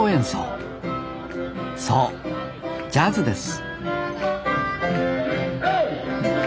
そうジャズです